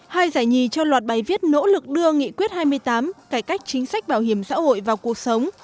hai giải nhì cho loạt bài viết nỗ lực đưa nghị quyết hai mươi tám cải cách chính sách bảo hiểm xã hội vào cuộc sống